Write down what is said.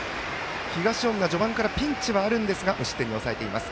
東恩納序盤からピンチはあるんですが無失点に抑えています。